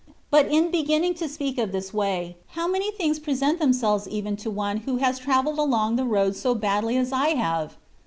But in beginning to speak of this way, how many things present themselves even to one who has travelled along the road so badly as I have